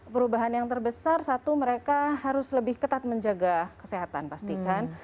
perubahan yang terbesar satu mereka harus lebih ketat menjaga kesehatan pastikan